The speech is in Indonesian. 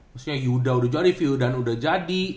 maksudnya yudha udah jadi viudan udah jadi